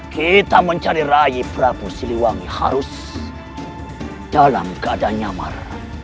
kita mencari rayi prabu siliwang harus dalam keadaan nyamar